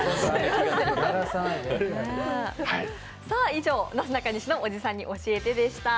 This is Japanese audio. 以上「なすなかにしのおじさんに教えて！」でした。